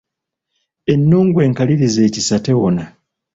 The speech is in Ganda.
Ennungu enkalirize ekisa tewona.